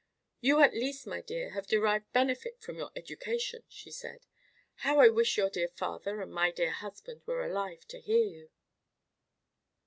"You at least, my dear, have derived benefit from your education," she said. "How I wish your dear father and my dear husband were alive to hear you."